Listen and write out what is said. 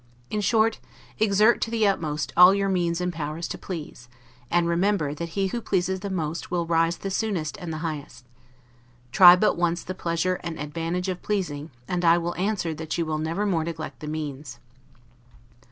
In short, exert to the utmost all your means and powers to please: and remember that he who pleases the most, will rise the soonest and the highest. Try but once the pleasure and advantage of pleasing, and I will answer that you will never more neglect the means.